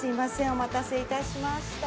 お待たせいたしました。